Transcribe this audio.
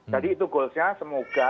jadi itu goalsnya semoga